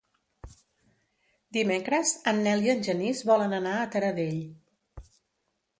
Dimecres en Nel i en Genís volen anar a Taradell.